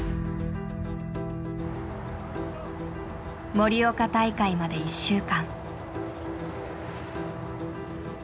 盛岡大会まで１週間。